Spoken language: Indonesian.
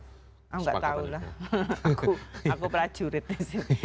saya nggak tahu lah aku prajurit disini